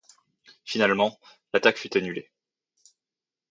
Finalement l'attaque fut annulée.